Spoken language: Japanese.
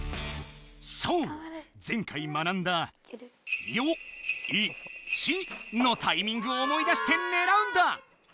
そう前回学んだ「ヨイチ」のタイミングを思い出して狙うんだ！